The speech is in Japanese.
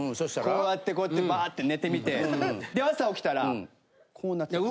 こうやってこうやってバーッて寝てみてで朝起きたらこうなってたんです。